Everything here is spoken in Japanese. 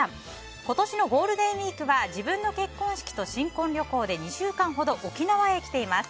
今年のゴールデンウィークは自分の結婚式と新婚旅行で２週間ほど沖縄に来ています。